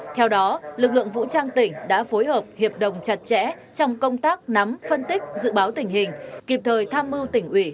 theo đó lực lượng vũ trang tỉnh đã phối hợp hiệp đồng chặt chẽ trong công tác nắm phân tích dự báo tình hình kịp thời tham mưu tỉnh ủy